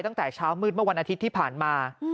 ตั้งแต่เช้ามืดเมื่อวันอาทิตย์ที่ผ่านมา